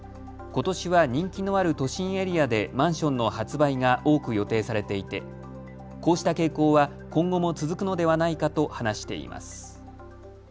ことしは人気のある都心エリアでマンションの発売が多く予定されていてこうした傾向は今後も続くのではないかと話しています。